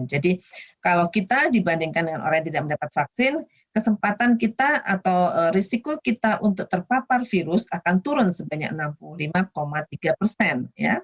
jadi kalau kita dibandingkan dengan orang yang tidak mendapat vaksin kesempatan kita atau risiko kita untuk terpapar virus akan turun sebanyak enam puluh lima tiga persen